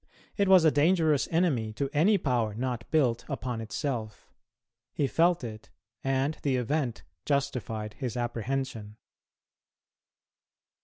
It was a dangerous enemy to any power not built upon itself; he felt it, and the event justified his apprehension.